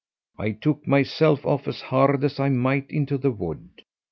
I took myself off as hard as I might into the wood.